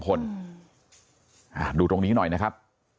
คนดูตรงนี้หน่อยนะครับ